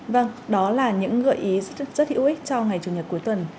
vâng đó là những gợi ý rất hữu ích cho ngày chủ nhật cuối tuần